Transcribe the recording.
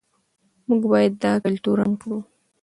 موږ باید دا کلتور عام کړو.